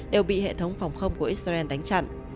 đều bị hệ thống phòng không của israel đánh chặn